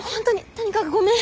とにかくごめん。